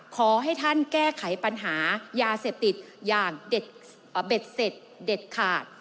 ขอให้ท่านแก้ไขปัญหายาเสพติดอย่างเด็ดเสร็จเด็ดขาด